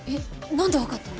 なんで分かったの？